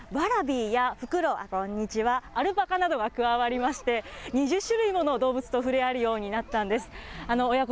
リニューアルしてから、ワラビーやフクロウ、こんにちは、アルパカなどが加わりまして、２０種類もの動物と触れ合えるようになったんです。